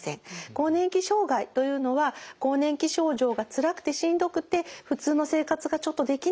更年期障害というのは更年期症状がつらくてしんどくて普通の生活がちょっとできない。